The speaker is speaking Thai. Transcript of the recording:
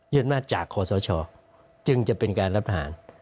ยึดอำนาจจากขอสาวชอคจึงจะเป็นการรับประหาร